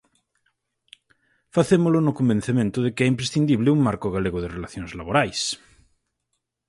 Facémolo no convencemento de que é imprescindíbel un marco galego de relacións laborais.